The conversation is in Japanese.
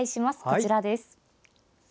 こちらです。